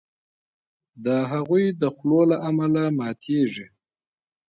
د هغوی د خولو له امله ماتیږي.